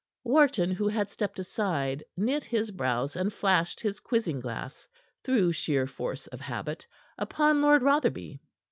Wharton, who had stepped aside, knit his brows and flashed his quizzing glass through sheer force of habit upon Lord Rotherby.